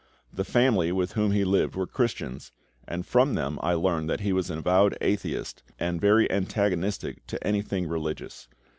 The family with whom he lived were Christians, and from them I learned that he was an avowed atheist, and very antagonistic to anything religious.